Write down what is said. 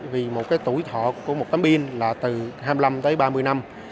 vì một cái tuổi thọ của một tấm pin là từ hai mươi năm tới ba mươi năm